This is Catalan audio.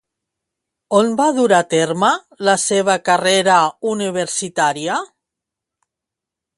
On va dur a terme la seva carrera universitària?